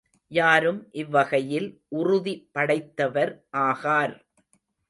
யாரும் இவ்வகையில் உறுதி படைத்தவர் ஆகார்.